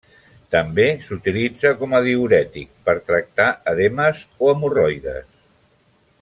També s'utilitza com a diürètic, per tractar edemes o hemorroides.